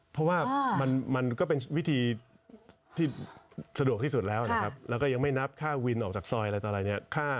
เพราะว่ามันก็เป็นวิธีที่สะดวกที่สุดแล้วนะครับแล้วก็ยังไม่นับค่าวินออกจากซอยอะไรต่ออะไรเนี่ย